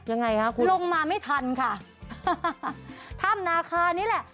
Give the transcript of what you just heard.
ยังไงคะคุณลงมาไม่ทันค่ะถ้ำนาคานี่แหละ